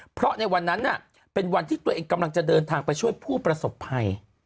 เพราะในวันนั้นเป็นวันที่ตัวเองกำลังจะเดินทางไปช่วยผู้ประสบภัย